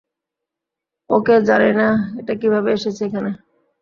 ওকে, জানি না এটা কীভাবে এসেছে এখানে।